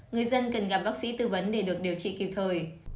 người dân cần gặp bác sĩ tư vấn để được điều trị kịp thời